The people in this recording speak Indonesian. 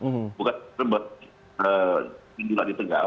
bukan terbuat di tegal